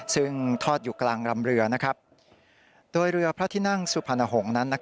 ซึ่งทอดอยู่กลางรำเรือโดยเรือพระที่นั่งสุพรรณหงษ์นั้น